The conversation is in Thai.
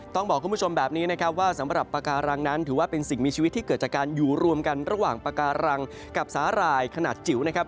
ต้องบอกคุณผู้ชมแบบนี้นะครับว่าสำหรับปากการังนั้นถือว่าเป็นสิ่งมีชีวิตที่เกิดจากการอยู่รวมกันระหว่างปาการังกับสาหร่ายขนาดจิ๋วนะครับ